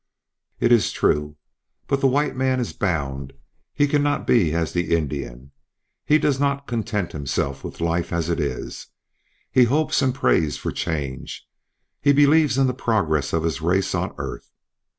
"It is true. But the white man is bound; he cannot be as the Indian; he does not content himself with life as it is; he hopes and prays for change; he believes in the progress of his race on earth.